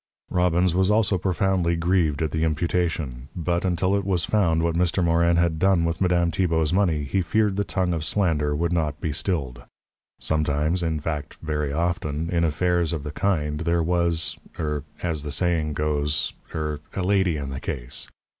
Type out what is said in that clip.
Robbins was also profoundly grieved at the imputation. But, until it was found what Mr. Morin had done with Madame Tibault's money, he feared the tongue of slander would not be stilled. Sometimes in fact, very often in affairs of the kind there was er as the saying goes er a lady in the case.